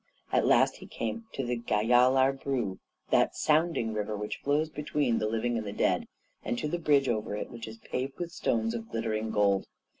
At last he came to the Giallar Bru that sounding river which flows between the living and the dead, and to the bridge over it which is paved with stones of glittering gold.